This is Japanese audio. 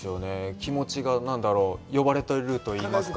気持ちが、何だろう、呼ばれているといいますか。